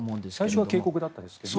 最初は警告だったんですけどね。